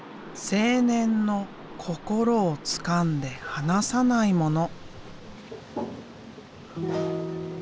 青年の心をつかんで離さないもの。